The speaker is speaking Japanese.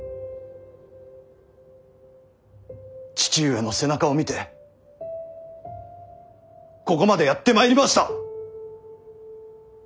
父上の背中を見てここまでやってまいりました。